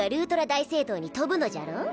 大聖堂に飛ぶのじゃろう？